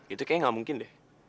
itu kayaknya gak mungkin deh